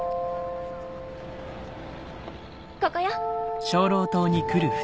ここよ。